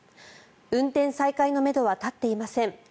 運転再開のめどは立っていません。